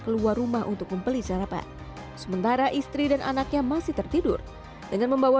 keluar rumah untuk membeli sarapan sementara istri dan anaknya masih tertidur dengan membawa